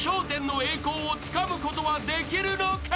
１０の栄光をつかむことはできるのか？］